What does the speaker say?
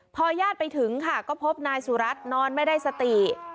พอญาติไปถึงค่ะก็พบนายสุรัตน์นอนไม่ได้สติ